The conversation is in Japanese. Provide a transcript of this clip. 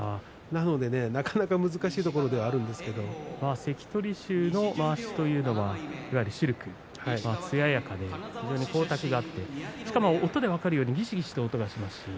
なので、なかなか難しい関取衆のまわしというのはいわゆるシルクつややかで非常に光沢があってしかも音で分かるようにぎしぎしと音がしますし。